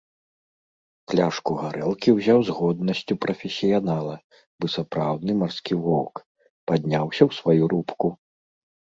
Пляшку гарэлкі ўзяў з годнасцю прафесіянала, бы сапраўдны марскі воўк, падняўся ў сваю рубку.